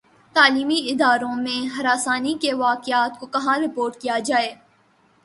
تعلیمی اداروں میں ہراسانی کے واقعات کو کہاں رپورٹ کیا جائے